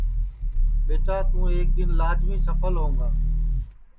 ٻیٹا توں ایک دؔن لاجمی سپھل ہوں گا